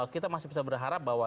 kita masih bisa berharap bahwa